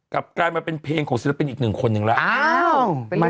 รับเป็นอีกหนึ่งคนนึงแหละ